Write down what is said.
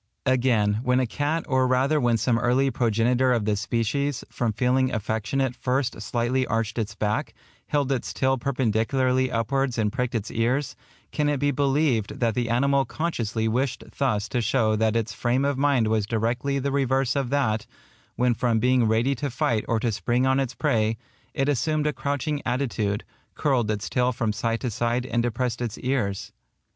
Again, when a cat, or rather when some early progenitor of the species, from feeling affectionate first slightly arched its back, held its tail perpendicularly upwards and pricked its ears, can it be believed that the animal consciously wished thus to show that its frame of mind was directly the reverse of that, when from being ready to fight or to spring on its prey, it assumed a crouching attitude, curled its tail from side to side and depressed its ears?